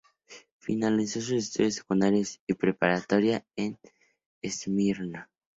Finalizó sus estudios secundarios y de preparatoria en Esmirna.